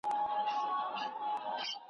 چي د چا په سر كي سترگي د ليدو وي ,